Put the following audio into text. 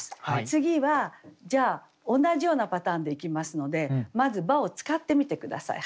次はじゃあ同じようなパターンでいきますのでまず「ば」を使ってみて下さい。